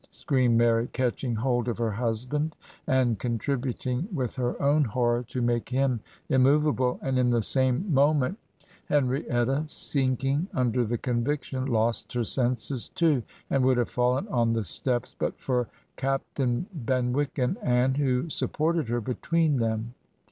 screamed Mary, catching hold of her husband, and contributing with her own horror to make him immovable; and in the same moment, 55 Digitized by VjOOQIC HEROINES OF FICTION Henrietta, sinking under the conviction, lost her senses, too, and would have fallen on the steps, but for Captain Benwick and Anne, who supported her between them.